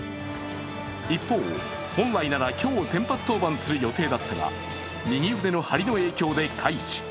一方、本来なら今日先発登板する予定だったが右腕の張りの影響で回避。